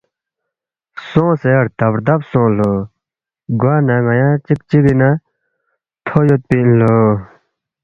سونگسے ردب ردب سونگ لو، گوا نہ ن٘یا چِک چگی نا تھو یودپی اِن لو